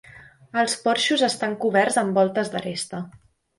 Els porxos estan coberts amb voltes d'aresta.